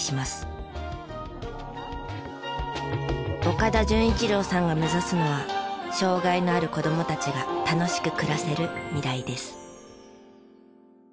岡田淳一郎さんが目指すのは障害のある子どもたちが楽しく暮らせる未来です。